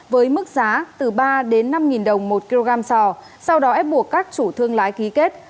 với mức giá từ ba đến năm đồng một kg sò sau đó ép buộc các chủ thương lái ký kết